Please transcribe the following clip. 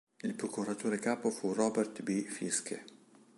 Il procuratore capo fu Robert B. Fiske.